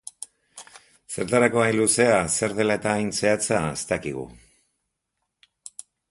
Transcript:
Zertarako hain luzea, zer dela eta hain zehatza, ez dakigu.